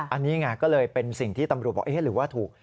อันนี้ไงก็เลยเป็นสิ่งที่ตำรวจบอกเอ๊ะหรือว่าถูก